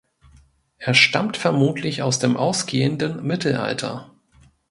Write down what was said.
Er stammt vermutlich aus dem ausgehenden Mittelalter.